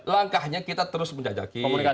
langkahnya kita terus menjajakin